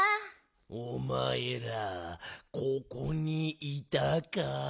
・おまえらここにいたか。